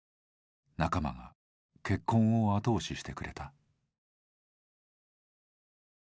仲間が結婚を後押ししてくれた。